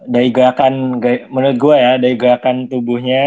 daigakan menurut gue ya daigakan tubuhnya